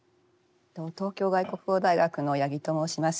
東京外国語大学の八木と申します。